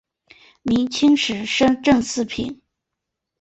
明清时升正四品。